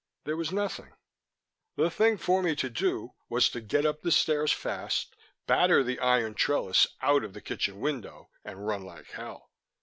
There was nothing. The thing for me to do was to get up the stairs fast, batter the iron trellis out of the kitchen window, and run like hell.